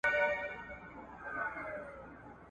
په اسلام کښي حکومت د ټولنیز ژوند روح دئ.